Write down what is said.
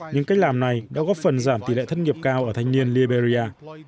nhưng cách làm này đã góp phần giảm tỷ lệ thất nghiệp cao ở thanh niên liberia